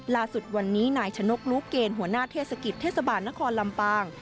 ล่าสุดวันนี้นายชนกรู้เกณฑ์หัวหน้าเทศกิจเทศบาลนครลำปาง